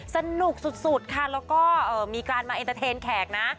สนุกสุดค่ะแล้วก็มีการมาเอ็นเตอร์เทนแขกนะ